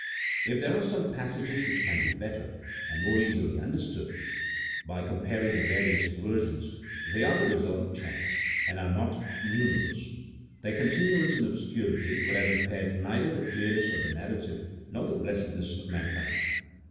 If there are some passages which can be better, and more easily understood by comparing the various versions, they are the result of chance, and are not numerous : their con tinuance in obscurity would have impaired neither the clear ness of the narrative nor the blessedness of mankind.